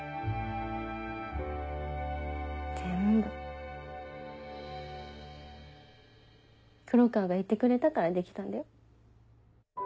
全部黒川がいてくれたからできたんだよ。